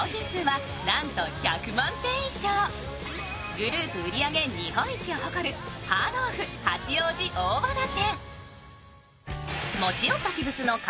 グループ売り上げ日本一を誇るハードオフ八王子大和田店。